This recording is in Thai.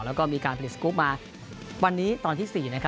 แล้วก็มีการผลิตสกรูปมาวันนี้ตอนที่๔